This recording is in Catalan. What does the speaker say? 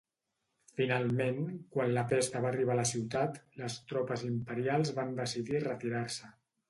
Finalment, quan la pesta va arribar a la ciutat, les tropes imperials van decidir retirar-se.